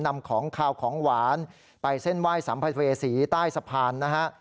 นำของขาวของหวานไปเส้นไหว้สัมภเวษีใต้สะพานนะฮะ